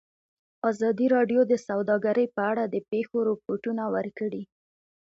ازادي راډیو د سوداګري په اړه د پېښو رپوټونه ورکړي.